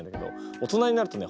大人になるとね